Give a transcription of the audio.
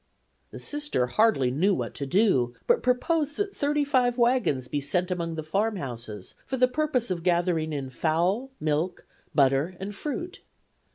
The Sister hardly knew what to do, but proposed that wagons be sent among the farmhouses for the purpose of gathering in fowl, milk, butter and fruit.